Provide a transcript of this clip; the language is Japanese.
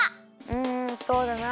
うんそうだな。